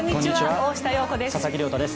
大下容子です。